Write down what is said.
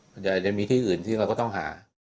มันจะมีที่อื่นที่เราก็ต้องหา